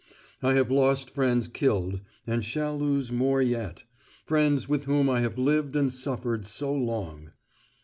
I have lost friends killed (and shall lose more yet), friends with whom I have lived and suffered so long.